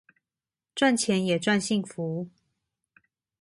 賺錢也賺幸福